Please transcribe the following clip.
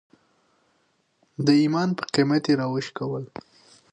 د ایمان په قیمت یې راوشکول.